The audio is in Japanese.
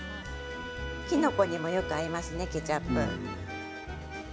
きのこにもよく合いますねケチャップ。